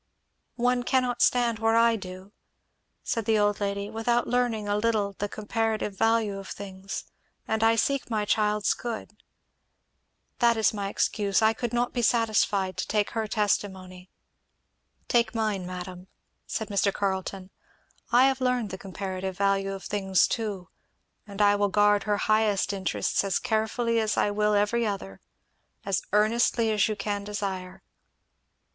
"One cannot stand where I do," said the old lady, "without learning a little the comparative value of things; and I seek my child's good, that is my excuse. I could not be satisfied to take her testimony " "Take mine, madam," said Mr. Carleton. "I have learned the comparative value of things too; and I will guard her highest interests as carefully as I will every other as earnestly as you can desire."